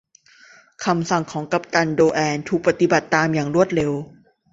คำสั่งของกัปตันโดแอนถูกปฏิบัติตามอย่างรวดเร็ว